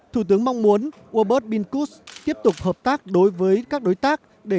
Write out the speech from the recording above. thủ tướng mong muốn warbird pinskos tiếp tục hợp tác đối với các đối tác để